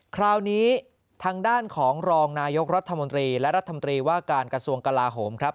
คราวนี้ทางด้านของรองนายกรัฐมนตรีและรัฐมนตรีว่าการกระทรวงกลาโหมครับ